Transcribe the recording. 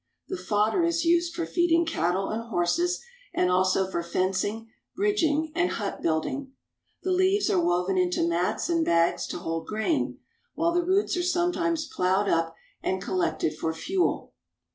The fodder is used for feeding cattle and horses, and also for fencing, bridging, and hut building. The leaves are woven into mats and bags to hold grain, while the roots are sometimes plowed up and collected for fuel.